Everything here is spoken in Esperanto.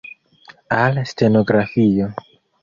Al stenografio!